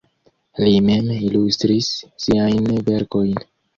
Li mem ilustris siajn verkojn.